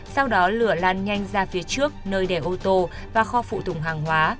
sau đó lửa lan nhanh ra phía trước nơi đẻ ô tô và kho phụ tùng hàng hóa